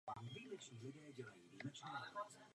Každá z těchto k tříd musí obsahovat alespoň jeden prvek.